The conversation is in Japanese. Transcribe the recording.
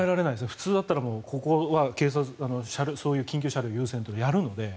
普通だったら、ここはそういう緊急車両優先というのをやるので。